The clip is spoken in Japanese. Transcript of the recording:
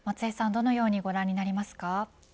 どのようにご覧になりますか。